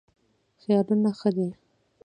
خیالونه ښه دي.